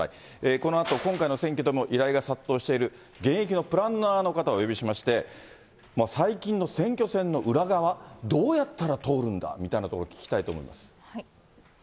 このあと、今回の選挙でも依頼が殺到している現役のプランナーの方をお呼びしまして、最近の選挙戦の裏側、どうやったら通るんだみたいなところを聞きたいと思います。